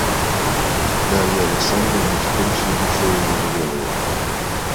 Дарья Александровна теперь всею душой уже жалела его.